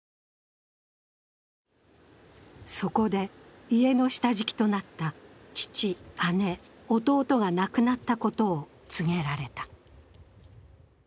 そこで家の下敷きとなった父、姉、弟が亡くなったことを告げられた。